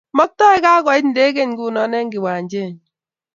Maktoi kakoit ndeget nguno eng kiwanjenyi